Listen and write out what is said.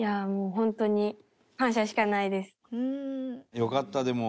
よかったでも。